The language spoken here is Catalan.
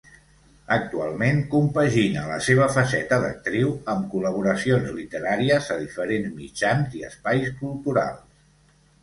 Actualment compagina la seva faceta d'actriu amb col·laboracions literàries a diferents mitjans i espais culturals.